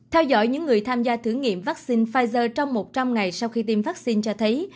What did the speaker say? theo dõi những người tham gia thử nghiệm vaccine pfizer trong một trăm linh ngày sau khi tiêm vaccine cho thấy